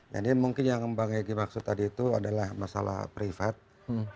jadi mungkin yang bang egy maksud tadi itu adalah masalah private